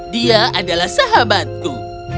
dia adalah sahabatku